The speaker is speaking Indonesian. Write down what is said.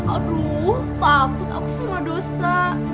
aduh takut aku semua dosa